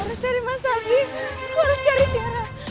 kau harus cari mas alvi kau harus cari tiara